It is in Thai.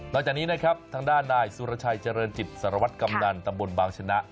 จากนี้นะครับทางด้านนายสุรชัยเจริญจิตสารวัตรกำนันตำบลบางชนะ